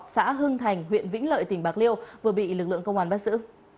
xã hưng thành huyện vĩnh lợi tỉnh bạc liêu vừa bị lực lượng công an bắt giữ